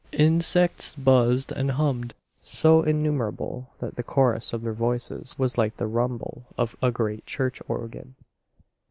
Insects buzzed and hummed, so innumerable that the chorus of their voices was like the rumble of a great church organ.